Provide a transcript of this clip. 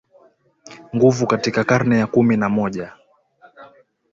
nguvu Katika karne ya kumi na moja